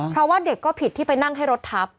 เพราะว่าเด็กก็ผิดที่ไปนั่งให้รถทับ